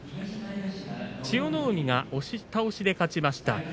千代の海が押し倒しで勝ちました。